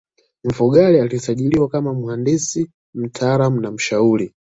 Mfugale alisajiliwa kama mhandisi mtaalamu na mshauri